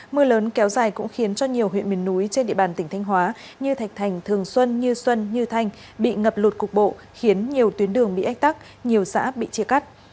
mưa lớn kéo dài cũng khiến cho nhiều huyện miền núi trên địa bàn tỉnh thanh hóa như thạch thành thường xuân như xuân như thanh bị ngập lụt cục bộ khiến nhiều tuyến đường bị ách tắc nhiều xã bị chia cắt